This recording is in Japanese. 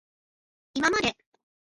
いままで